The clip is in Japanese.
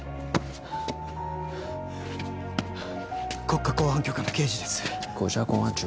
国家公安局の刑事です